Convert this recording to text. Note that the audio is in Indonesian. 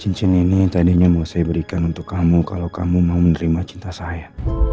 cincin ini tadinya mau saya berikan untuk kamu kalau kamu mau menerima cinta saya